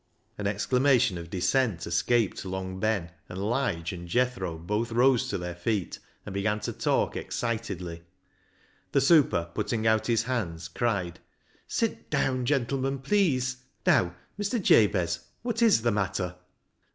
An exclamation of dissent escaped Long Ben, and Lige and Jethro both rose to their feet, and began to talk excitedly. The super, putting out his hands, cried, " Sit down, gentlemen, please. Now, Mr. Jabez, what 7s the matter